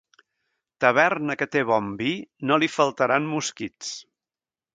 Taverna que té bon vi, no li faltaran mosquits.